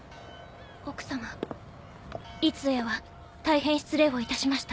奥様いつぞやは大変失礼をいたしました。